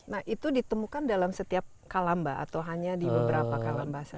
nah itu ditemukan dalam setiap kalamba atau hanya di beberapa kalamba saja